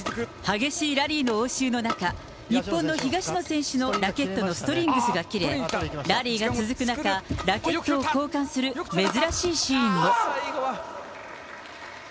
激しいラリーの応酬の中、日本の東野選手のラケットのストリングスが切れ、ラリーが続く中、ラケットを交換する珍しいシーンも。